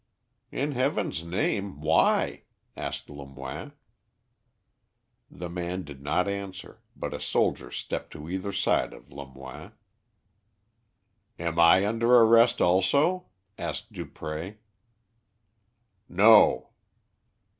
"In Heaven's name, why?" asked Lemoine. The man did not answer, but a soldier stepped to either side of Lemoine. "Am I under arrest also?" asked Dupré. "No."